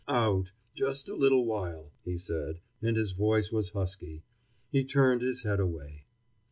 "Out, just a little while," he said, and his voice was husky. He turned his head away.